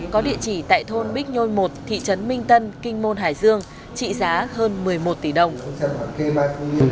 có địa chỉ tại thôn bích nhôi một thị trấn minh tân kinh môn hải dương trị giá hơn một mươi một tỷ đồng